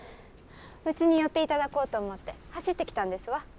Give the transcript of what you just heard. うちに寄っていただこうと思って走ってきたんですわ。